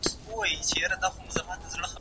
ما پرون د پښتو یو مشهور شاعر ولیدی